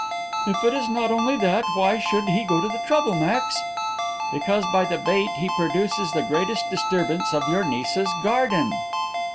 "If it is not only that, why should he go to the trouble, Max?" "Because by that bait he produces the greatest disturbance of your niece's garden."